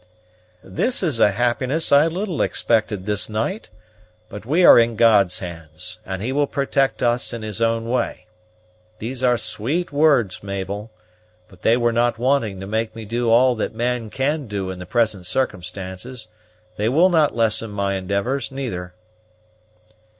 "This is a happiness I little expected this night; but we are in God's hands, and He will protect us in His own way. These are sweet words, Mabel; but they were not wanting to make me do all that man can do in the present circumstances; they will not lessen my endeavors, neither."